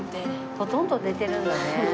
ほとんど寝てるんだね。